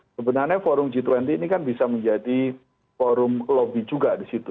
sebenarnya forum g dua puluh ini kan bisa menjadi forum lobby juga di situ